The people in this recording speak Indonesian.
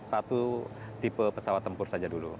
satu tipe pesawat tempur saja dulu